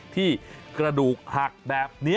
ที่กระดูกหักแบบนี้